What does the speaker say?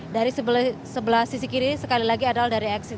dari sebelah sisi kiri sekali lagi adalah dari eksit